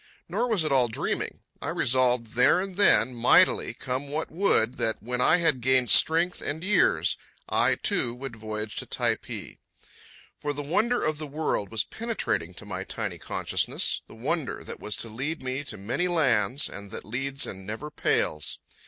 Nor was it all dreaming. I resolved there and then, mightily, come what would, that when I had gained strength and years, I, too, would voyage to Typee. For the wonder of the world was penetrating to my tiny consciousness—the wonder that was to lead me to many lands, and that leads and never pails.